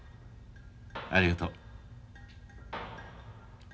ありがとう。